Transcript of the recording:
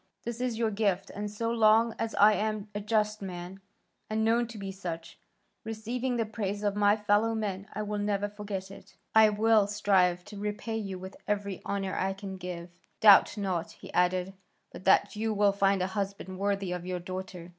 This is your gift, and, so long as I am a just man and known to be such, receiving the praise of my fellow men, I will never forget it; I will strive to repay you with every honour I can give. Doubt not," he added, "but that you will find a husband worthy of your daughter.